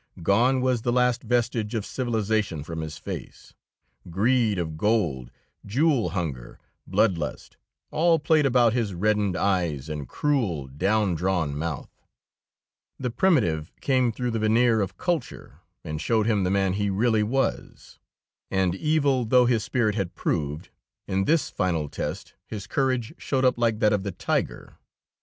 Gone was the last vestige of civilization from his face; greed of gold, jewel hunger, blood lust, all played about his reddened eyes and cruel, down drawn mouth. The primitive came through the veneer of culture and showed him the man he really was. And evil though his spirit had proved, in this final test his courage showed up like that of the tiger.